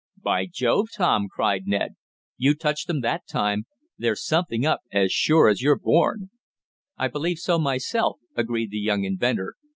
"By Jove, Tom!" cried Ned. "You touched 'em that time. There's something up, as sure as you're born!" "I believe so myself," agreed the young inventor.